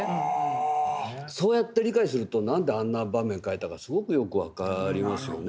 そうやって理解すると何であんな場面描いたかすごくよく分かりますよね。